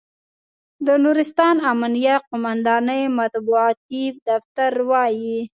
د نورستان امنیه قوماندانۍ مطبوعاتي دفتر وایي،